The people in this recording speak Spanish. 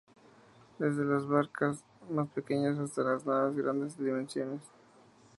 Desde las barcas más pequeñas hasta las naves de grandes dimensiones.